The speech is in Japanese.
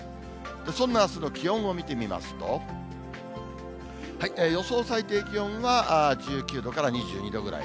そんなあすの気温を見てみますと、予想最低気温は１９度から２２度ぐらい。